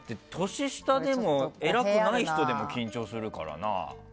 年下にも偉くない人でも緊張するからな。